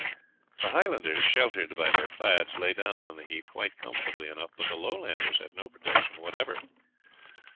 The Highlanders, sheltered by their plaids, lay down on the heath comfortably enough, but the Lowlanders had no protection whatever.